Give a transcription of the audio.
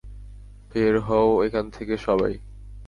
বের হও এখান থেকে সবাই!